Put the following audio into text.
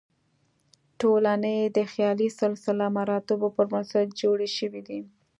ټولنې د خیالي سلسله مراتبو پر بنسټ جوړې شوې دي.